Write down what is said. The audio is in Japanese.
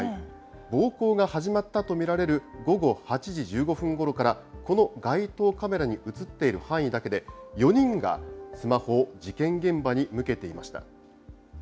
暴行が始まったと見られる午後８時１５分ごろから、この街頭カメラに写っている範囲だけで、４人がスマホを事件現場に向けていました。